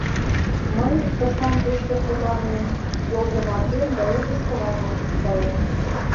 Мый, кышам пеш чот шекланен, йол йымакем да ӧрдыжкылат ончышт каем.